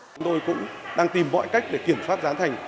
chúng tôi cũng đang tìm mọi cách để kiểm soát giá thành